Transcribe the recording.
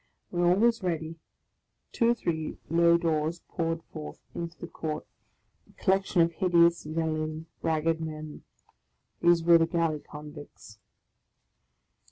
When all was ready, two or three low doors poured forth into the court a collection of hideous, yelling, ragged men; these were the galley convicts.